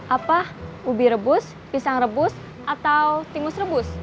apa ubi rebus pisang rebus atau timus rebus